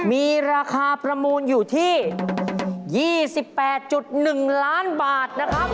มีราคาประมูลอยู่ที่๒๘๑ล้านบาทนะครับ